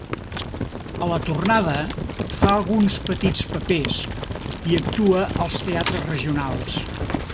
A la tornada, fa alguns petits papers i actua als teatres regionals.